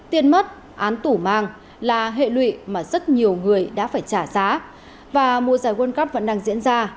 tiền mất án tủ mang là hệ lụy mà rất nhiều người đã phải trả giá và mùa giải world cup vẫn đang diễn ra